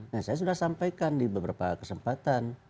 nah saya sudah sampaikan di beberapa kesempatan